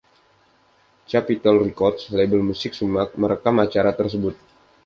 Capitol Records, label musik Sumac, merekam acara tersebut.